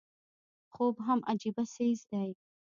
خوب هم عجيبه څيز دی